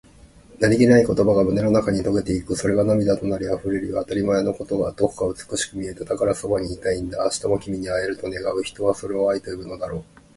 何気ない言葉が胸の中に溶けていく。それが涙となり、溢れるよ。当たり前のことがどこか美しく見えた。だから、そばにいたいんだ。明日も君に会えると願う、人はそれを愛と呼ぶのだろう。